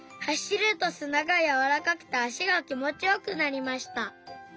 走るとすながやわらかくて足がきもちよくなりました。